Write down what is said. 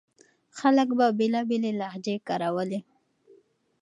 خلک به بېلابېلې لهجې کارولې.